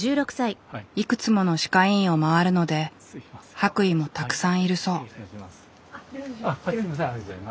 いくつもの歯科医院を回るので白衣もたくさんいるそう。